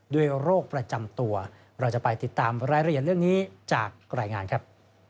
โรคประจำตัวเราจะไปติดตามรายละเอียดเรื่องนี้จากรายงานครับ